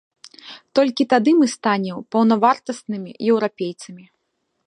Толькі тады мы станем паўнавартаснымі еўрапейцамі.